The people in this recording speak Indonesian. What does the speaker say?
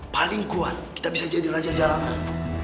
paling kuat kita bisa jadi raja jalanan